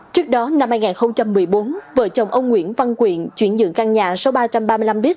trước đó năm hai nghìn một mươi bốn vợ chồng ông nguyễn văn quyện chuyển nhượng căn nhà số ba trăm ba mươi năm b